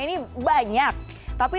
ini banyak tapi